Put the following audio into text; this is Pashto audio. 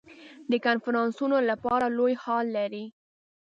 د کنفرانسونو لپاره لوی هال لري.